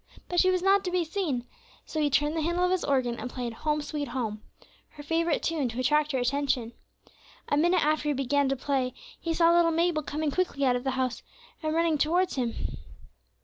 But she was not to be seen, so he turned the handle of his organ and played "Home, sweet Home," her favorite tune, to attract her attention. A minute after he began to play he saw little Mabel coming quickly out of the house and running towards him.